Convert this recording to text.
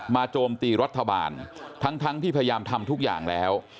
โจมตีรัฐบาลทั้งที่พยายามทำทุกอย่างแล้ว